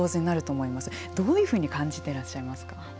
どういうふうに感じていらっしゃいますか。